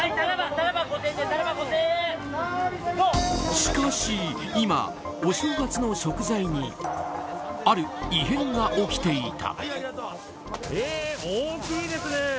しかし、今、お正月の食材にある異変が起きていた。